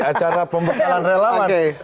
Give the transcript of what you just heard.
acara pembekalan relawan